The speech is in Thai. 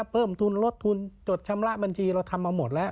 เพิ่มทุนลดทุนจดชำระบัญชีเราทำมาหมดแล้ว